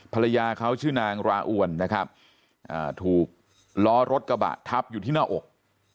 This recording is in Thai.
ภรรยาเขาชื่อนางราอวนนะครับถูกล้อรถกระบะทับอยู่ที่หน้าอก